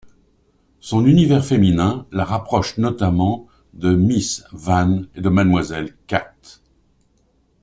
Son univers féminin la rapproche notamment de Miss Van et de Mademoiselle Kat.